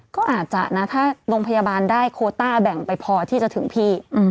ก็อาจจะนะถ้าโรงพยาบาลได้โคต้าแบ่งไปพอที่จะถึงพี่